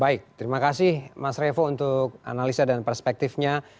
baik terima kasih mas revo untuk analisa dan perspektifnya